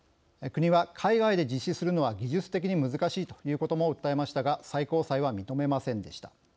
国は、海外で実施するのは技術的に難しいということも訴えましたが最高裁は認めませんでした。